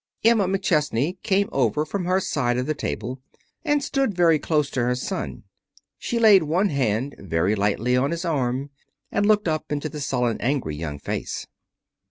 Emma McChesney came over from her side of the table and stood very close to her son. She laid one hand very lightly on his arm and looked up into the sullen, angry young face.